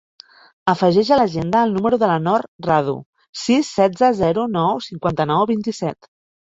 Afegeix a l'agenda el número de la Nor Radu: sis, setze, zero, nou, cinquanta-nou, vint-i-set.